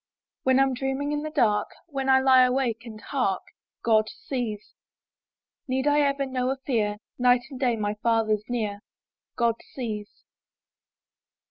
When Tm dreaming in the dark, When I lie awake and hark, God sees. Need I ever know a fear? Night and day my Father's near: — God sees.